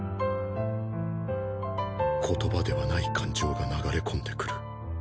言葉ではない感情が流れ込んでくる。